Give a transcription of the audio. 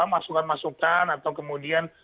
masukan masukan atau kemudian